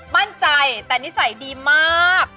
มั่นใจแต่นิสัยดีมาก